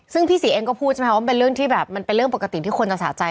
ซึ่งพี่ศรีเองก็พูดใช่ไหมว่ามันเป็นเรื่องที่แบบมันเป็นเรื่องปกติที่คนจะสะใจ